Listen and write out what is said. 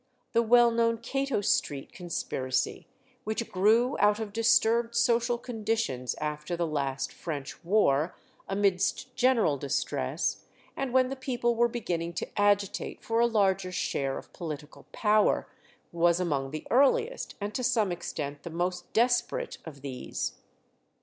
The well known Cato Street conspiracy, which grew out of disturbed social conditions after the last French war, amidst general distress, and when the people were beginning to agitate for a larger share of political power, was among the earliest, and to some extent the most desperate, of these.